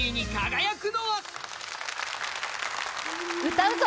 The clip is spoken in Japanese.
「歌うぞ！